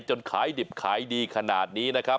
ขายดิบขายดีขนาดนี้นะครับ